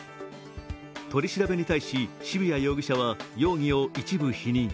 取り調べに対し、渋谷容疑者は容疑を一部否認。